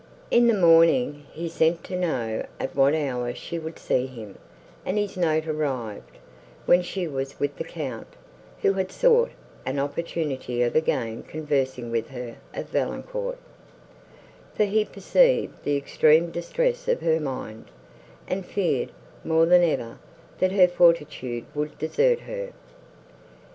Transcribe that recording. In the morning, he sent to know at what hour she would see him; and his note arrived, when she was with the Count, who had sought an opportunity of again conversing with her of Valancourt; for he perceived the extreme distress of her mind, and feared, more than ever, that her fortitude would desert her.